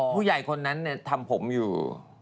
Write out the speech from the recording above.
ผู้ใหญ่คนนั้นทำผมอยู่